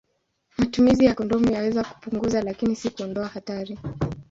Matumizi ya kondomu yanaweza kupunguza, lakini si kuondoa hatari.